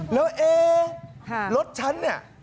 แล้วเอ๊รถฉันอ่ะ